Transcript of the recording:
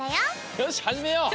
よしはじめよう！